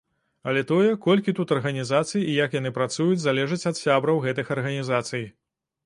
Але тое, колькі тут арганізацый і як яны працуюць, залежыць ад сябраў гэтых арганізацый.